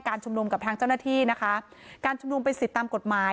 ชุมนุมกับทางเจ้าหน้าที่นะคะการชุมนุมเป็นสิทธิ์ตามกฎหมาย